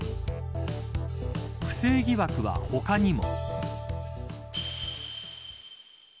不正疑惑は他にも。